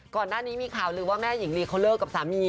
ก่อนหน้านี้มีข่าวลือว่าแม่หญิงลีเขาเลิกกับสามี